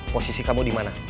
posisi kamu dimana